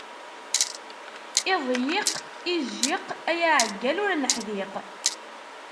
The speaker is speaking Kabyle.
Iḍyiq, ijjiq, a yaɛeggal ur neḥdiq!